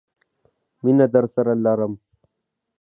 مینه درسره لرم!